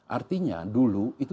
artinya dulu itu